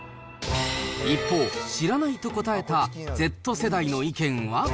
一方、知らないと答えたＺ世代の意見は。